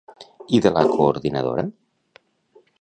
I de la coordinadora?